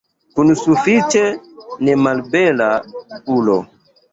Kun sufiĉe nemalbela ulo.